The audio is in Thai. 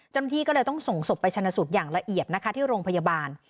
เจ้าหน้าที่ก็เลยต้องส่งศพไปชนะสูตรอย่างละเอียดนะคะที่โรงพยาบาล